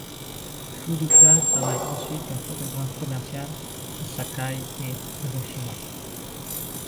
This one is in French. Fukuda travaille ensuite comme photographe commercial à Sakai et Hiroshima.